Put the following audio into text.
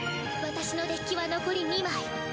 私のデッキは残り２枚。